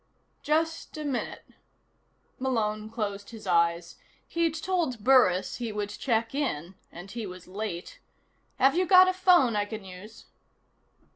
"Just a minute." Malone closed his eyes. He'd told Burris he would check in, and he was late. "Have you got a phone I can use?"